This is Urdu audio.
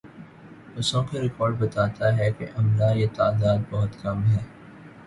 بسوں کا ریکارڈ بتاتا ہے کہ عملا یہ تعداد بہت کم ہے۔